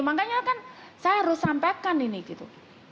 makanya kan saya harus sampaikan ini gitu